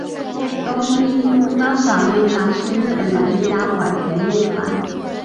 东京都交响乐团是日本的一家管弦乐团。